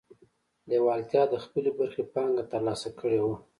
لېوالتیا د خپلې برخې پانګه ترلاسه کړې وه.